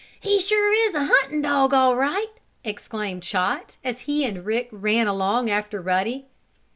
"He sure is a hunting dog all right!" exclaimed Chot, as he and Rick ran along after Ruddy.